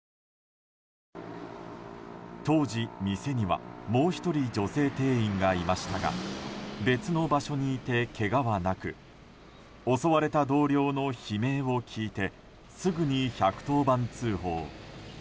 当時、店にはもう１人女性店員がいましたが別の場所にいてけがはなく襲われた同僚の悲鳴を聞いてすぐに１１０番通報。